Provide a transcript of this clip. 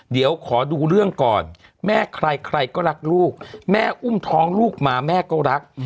เดี๋ยวขอดูเรื่องก่อนแม่ใครใครก็รักลูกแม่อุ้มท้องลูกมาแม่ก็รัก